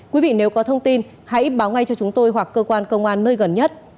quý vị nếu có thông tin hãy báo ngay cho chúng tôi hoặc cơ quan công an nơi gần nhất